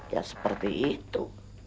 ya seperti itu